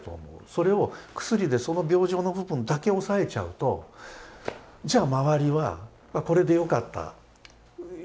それを薬でその病状の部分だけ抑えちゃうとじゃあ周りはこれでよかった。